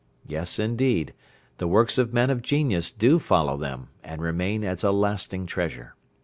Yes indeed, the works of men of genius do follow them, and remain as a lasting treasure.